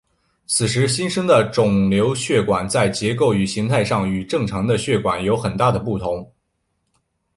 此时新生成的肿瘤血管在结构与形态上与正常的血管有很大的不同。